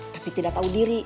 tapi tidak tau diri